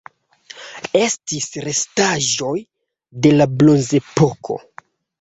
Estis restaĵoj de la Bronzepoko.